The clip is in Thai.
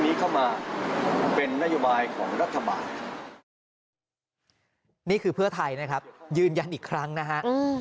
นี่คือภักรณ์เพื่อไทยนะครับยืนยันอีกครั้งนะฮะ